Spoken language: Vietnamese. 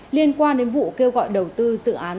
liên quan đến vụ kêu gọi đầu tư dự án